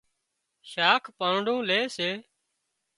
شاک پانڙون لي سي